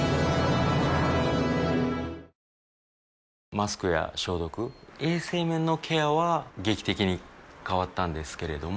マスクや消毒衛生面のケアは劇的に変わったんですけれども